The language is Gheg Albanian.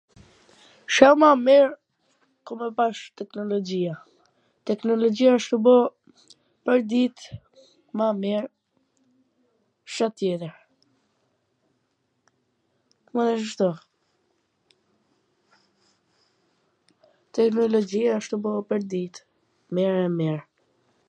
Shum ma mir ka me pas teknologjia, teknologjia asht tu bo pwrdit ma mir, Ca tjetwr... mana shishto... teknologjia asht tu u bo pwrdit mir e m mir.